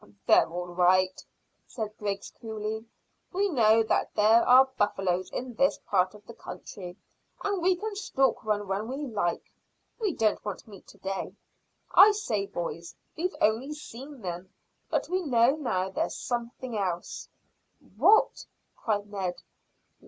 "They're all right," said Griggs coolly. "We know that there are buffaloes in this part of the country, and we can stalk one when we like. We don't want meat to day. I say boys, we've only seen them, but we know now there's something else." "What?" cried Ned.